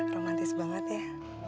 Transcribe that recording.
romantis banget ya